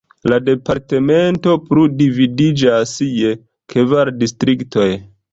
La departemento plu dividiĝas je kvar distriktoj.